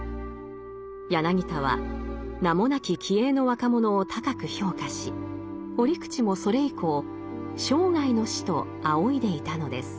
柳田は名もなき気鋭の若者を高く評価し折口もそれ以降生涯の師と仰いでいたのです。